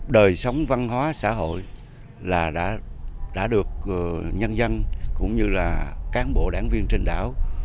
đời sống văn hóa xã hội đã được nhân dân cũng như cán bộ đảng viên trên đảo